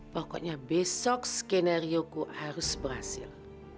pokoknya besok skenario ku harus berhasil